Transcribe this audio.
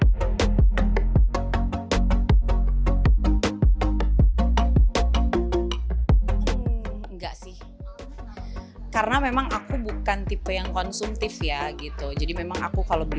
enggak sih karena memang aku bukan tipe yang konsumtif ya gitu jadi memang aku kalau beli